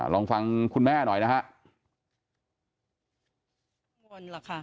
ลองฟังคุณแม่หน่อยนะฮะ